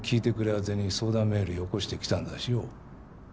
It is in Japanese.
宛てに相談メールよこしてきたんだしよ。